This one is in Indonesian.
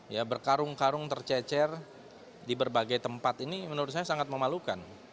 ya berkarung karung tercecer di berbagai tempat ini menurut saya sangat memalukan